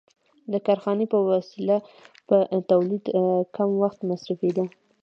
د کارخانې په وسیله په تولید کم وخت مصرفېده